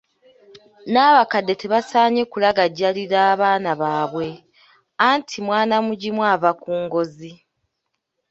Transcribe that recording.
N'abakadde tebasaanye kulagajjalira abaana baabwe, anti mwana mugimu ava ku ngozi.